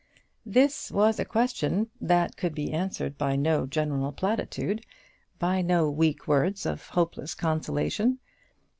This was a question that could be answered by no general platitude, by no weak words of hopeless consolation.